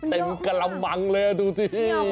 เต็มกระลำมังเลยดูสิ